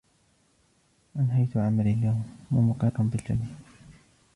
انهيت عملي اليوم ،و مقر بالجميل.